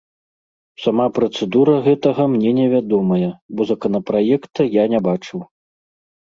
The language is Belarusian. Сама працэдура гэтага мне невядомая, бо законапраекта я не бачыў.